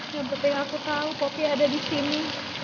yang penting aku tahu kopi ada di sini